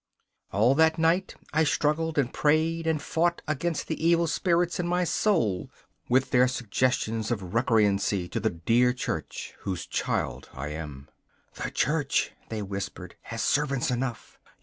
All that night I struggled and prayed and fought against the evil spirits in my soul, with their suggestions of recreancy to the dear Church whose child I am. 'The Church,' they whispered, 'has servants enough.